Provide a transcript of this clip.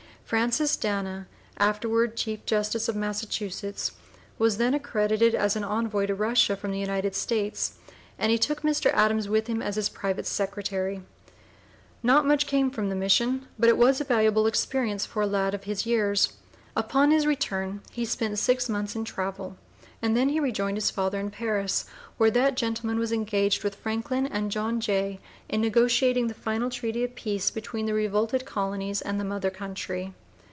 Francis Dana, afterward Chief Justice of Massachusetts, was then accredited as an envoy to Russia from the United States, and he took Mr. Adams with him as his private secretary. Not much came of the mission, but it was a valuable experience for a lad of his years. Upon his return he spent six months in travel and then he rejoined his father in Paris, where that gentleman was engaged with Franklin and John Jay in negotiating the final treaty of peace between the revolted colonies and the mother country.